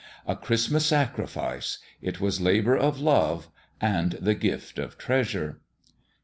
A Christmas sacrifice : it was labour of love and the gift of treasure.